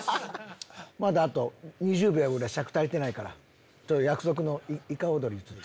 まだあと２０秒ぐらい尺足りてないからちょっと約束のイカ踊り。